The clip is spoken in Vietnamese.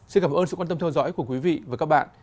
xin cảm ơn sự quan tâm theo dõi của quý vị và các bạn